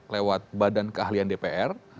lewat badan keahlian dpr